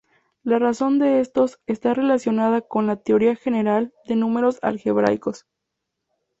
La razón de estos está relacionada con la teoría general de números algebraicos.